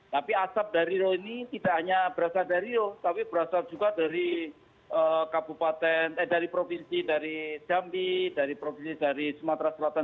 tapi asap dari rio ini tidak hanya berasal dari rio tapi berasal juga dari kabupaten eh dari provinsi dari jambi dari provinsi dari sumatera selatan